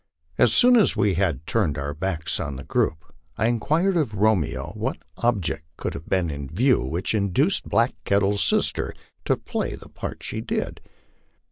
As soon as we had turned our backs on the group, I inquired of Romeo what object could have been in view which induced Black Kettle's sister to play the part she did.